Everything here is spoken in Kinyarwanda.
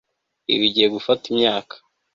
Ibi bigiye gufata imyaka